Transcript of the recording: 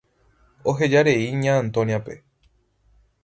Ohejarei Ña Antonia-pe.